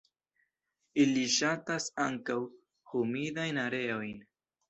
Ili ŝatas ankaŭ humidajn areojn.